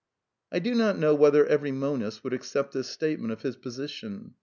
^^ I do not know whether every monist would accept this statement of his position.